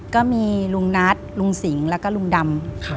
ก็มีลุงนัทลุงสิงห์แล้วก็ลุงดำ